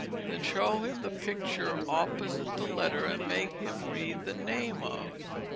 Then show him the picture opposite the letter and make him read the name of."